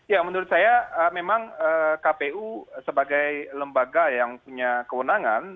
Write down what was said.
ya menurut saya memang kpu sebagai lembaga yang punya kewenangan